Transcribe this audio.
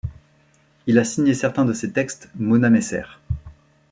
Elle a signé certains de ses textes Mona Messer.